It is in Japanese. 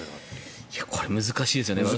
これ、難しいですね。